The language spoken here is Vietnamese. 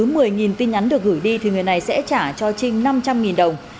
nếu một mươi tin nhắn được gửi đi thì người này sẽ trả cho trinh năm trăm linh đồng